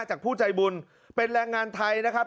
จากผู้ใจบุญเป็นแรงงานไทยนะครับ